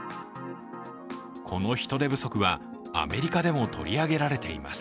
この人手不足はアメリカでも取り上げられています。